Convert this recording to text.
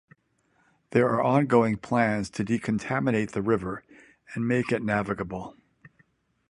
There are ongoing plans to decontaminate the river and make it navigable.